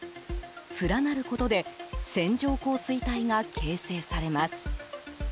連なることで線状降水帯が形成されます。